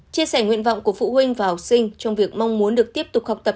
chia sẻ nguyện vọng của phụ huynh và học sinh trong việc mong muốn được tiếp tục học tập